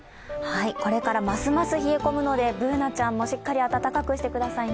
これからますます冷え込むのでＢｏｏｎａちゃんもしっかり暖かくしてくださいね。